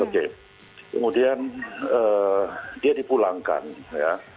kemudian dia dipulangkan ya